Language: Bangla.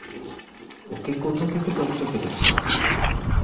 ওকে কোথা থেকে দত্তক এনেছেন?